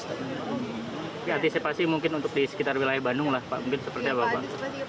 antisipasi mungkin untuk di sekitar wilayah bandung lah pak mungkin seperti apa pak